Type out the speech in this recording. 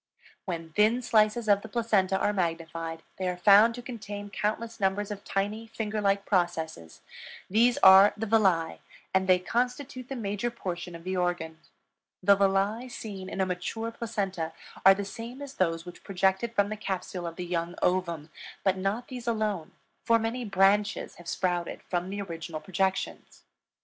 When thin slices of the placenta are magnified they are found to contain countless numbers of tiny, finger like processes; these are the villi, and they constitute the major portion of the organ. The villi seen in a mature placenta are the same as those which projected from the capsule of the young ovum, but not these alone, for many branches have sprouted from the original projections.